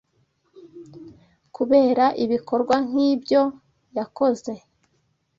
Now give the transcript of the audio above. kubera ibikorwa nk’ibyo yakoze